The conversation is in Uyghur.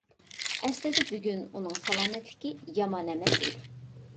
ئەسلىدە بۈگۈن ئۇنىڭ سالامەتلىكى يامان ئەمەس ئىدى.